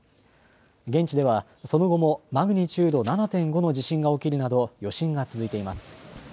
現地ではその後もマグニチュード７．５の地震が起きるなど余震が続いています。